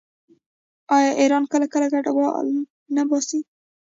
آیا ایران کله کله کډوال نه وباسي؟